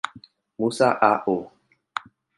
Musa, A. O.